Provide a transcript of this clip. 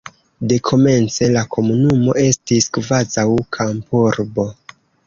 Dekomence la komunumo estis kvazaŭ kampurbo.